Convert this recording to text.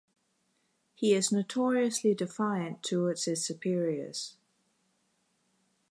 He is notoriously defiant towards his superiors.